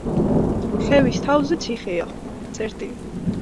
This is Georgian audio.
ხევის თავზე ციხეა.